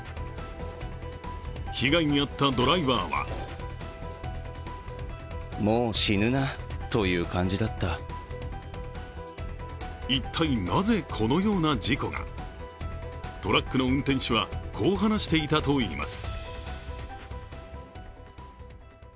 被害に遭ったドライバーは一体なぜこのような事故が、トラックの運転手はこう話していたといいます。